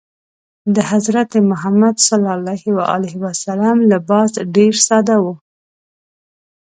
د حضرت محمد ﷺ لباس ډېر ساده و.